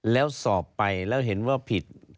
แล้วสอบไปแล้วเห็นว่าผิด